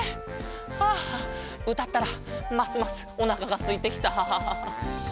あうたったらますますおなかがすいてきた。